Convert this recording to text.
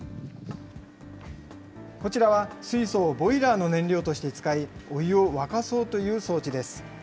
こちらは、水素をボイラーの燃料として使い、お湯を沸かそうという装置です。